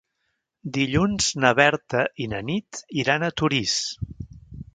Dilluns na Berta i na Nit iran a Torís.